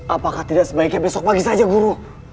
apakah tidak sebaiknya besok pagi saja buruh